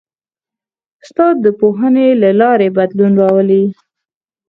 استاد د پوهنې له لارې بدلون راولي.